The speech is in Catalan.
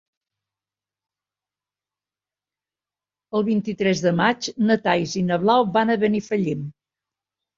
El vint-i-tres de maig na Thaís i na Blau van a Benifallim.